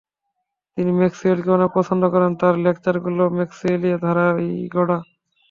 তিনি ম্যক্সওয়েলকে অনেক পছন্দ করেন, তার লেকচারগুলো ম্যক্সওয়েলীয় ধারায় গড়া।